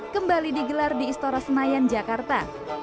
kembali digelar di istora senayan jakarta